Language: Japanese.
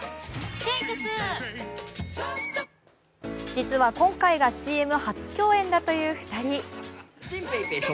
実は今回がＣＭ初共演だという２人。